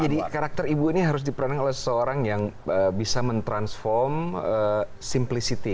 jadi karakter ibu ini harus diperanakan oleh seseorang yang bisa mentransform simplicity